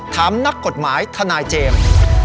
นักกฎหมายทนายเจมส์